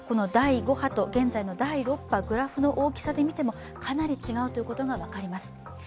第５波と第６波はグラフの大きさで見てもかなり違うということが分かります。